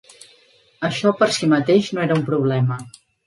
Això per si mateix no era un problema.